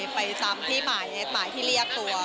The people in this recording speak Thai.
ไปจำที่หมายที่เรียกตัว